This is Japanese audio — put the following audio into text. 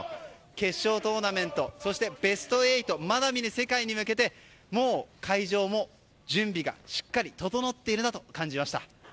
決勝トーナメントそしてベスト８まだ見ぬ世界に向けてもう会場も準備がしっかり整っているなと感じました。